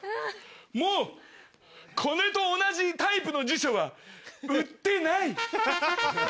もうこれと同じタイプの辞書は売ってない。